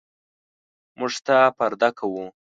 موږ ستا پرده کوو.